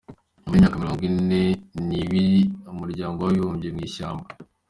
Nyuma y’imyaka mirono ine ni ibiri umuryango wavumbuwe mu ishyamba